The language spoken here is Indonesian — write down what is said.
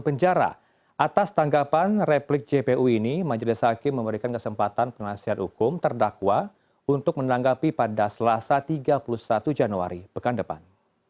penjara atas tanggapan replik jpu ini majelis hakim memberikan kesempatan penasihat hukum terdakwa untuk menanggapi pada selasa tiga puluh satu januari pekan depan